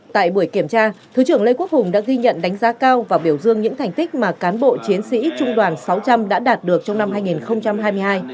tại buổi kiểm tra thứ trưởng lê quốc hùng đã ghi nhận đánh giá cao và biểu dương những thành tích mà cán bộ chiến sĩ trung đoàn sáu trăm linh đã đạt được trong năm hai nghìn hai mươi hai